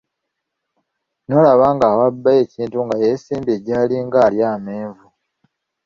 N'omulaba ng'awa bba ekintu nga yeesimbye jaali nga alya amenvu!